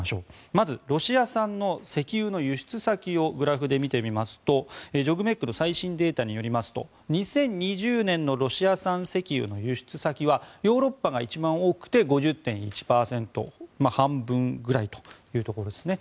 まず、ロシア産の石油の輸出先をグラフで見てみますとＪＯＧＭＥＣの最新データによりますと２０２０年のロシア産石油の輸出先はヨーロッパが一番多くて５０．１％半分くらいというところですね。